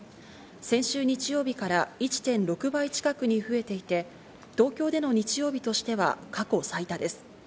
先週日曜日から１．６倍近くに増えていて、東京での日曜日としては過去最多です。